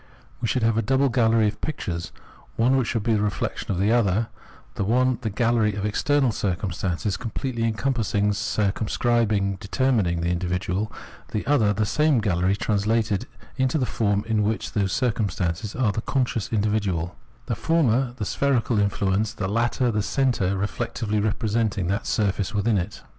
We should have a double gallery of pictures, one of which would be the reflection of the other : the one 294 Pfienonienotogy of Mind the gallery of external circumstance completely en' compassing, circumscribing, and determining the indi vidual, the other the same gallery translated into the form in which those circumstances are in the conscious individual : the former the spherical surface, the latter the centre reflectively representing that surface within it.